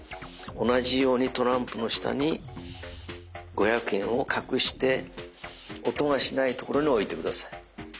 同じようにトランプの下に五百円を隠して音がしないところに置いて下さい。